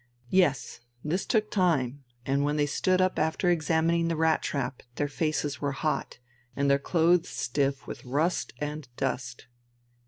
Yes, this took time, and when they stood up after examining the rat trap their faces were hot, and their clothes stiff with rust and dust.